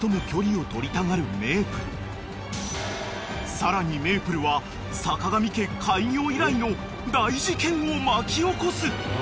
［さらにメープルはさかがみ家開業以来の大事件を巻き起こす］